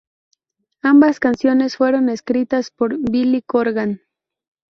Ambas canciones fueron escritas por Billy Corgan.